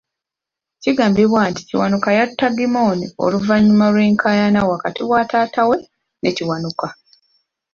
Kigambibwa nti Kiwanuka yatta Gimmony oluvannyuma lw'enkayana wakati wa taata we ne Kiwanuka.